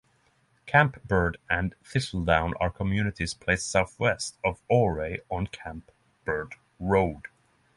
Camp Bird and Thistledown are communities placed southwest of Ouray on Camp Bird Road.